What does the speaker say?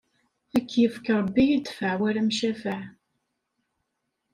Ad k-ifk Ṛebbi i ddfeɛ war amcafaɛ!